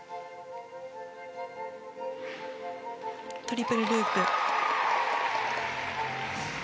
トリプルループ。